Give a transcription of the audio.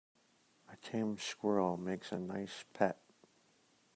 A tame squirrel makes a nice pet.